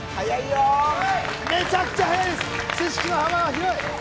めちゃくちゃ早いです、知識の幅は広い！